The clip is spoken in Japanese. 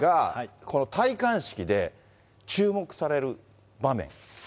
この戴冠式で、注目される場面。